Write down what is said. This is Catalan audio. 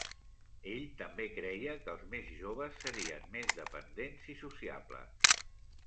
Ell també creia que els més joves serien més dependents i sociables.